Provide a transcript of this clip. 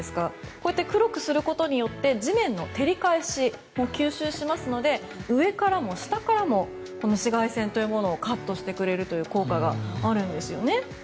こうやって黒くすることによって地面の照り返しを吸収しますので上からも下からも紫外線というものをカットしてくれるという効果があるんですよね。